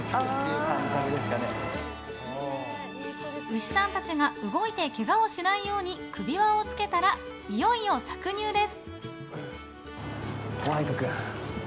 牛さんたちが動いてけがをしないように首輪をつけたらいよいよ搾乳です。